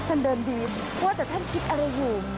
ท่านเดิมดีว่าแต่ท่านคิดอะไรอยู่